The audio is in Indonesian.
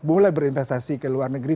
mulai berinvestasi ke luar negeri